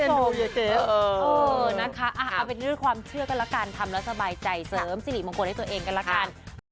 เอานะคะเอาเป็นเรื่องความเชื่อกันละกันทำแล้วสบายใจเสริมสิริมงคลให้ตัวเองกันละกัน